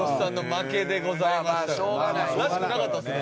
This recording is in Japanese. らしくなかったですね。